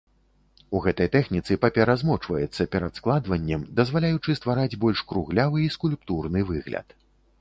У гэтай тэхніцы папера змочваецца перад складваннем, дазваляючы ствараць больш круглявы і скульптурны выгляд.